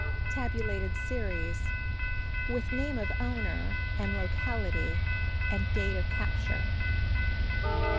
TABULATED SERIES With name of owner, and locality and date of capture.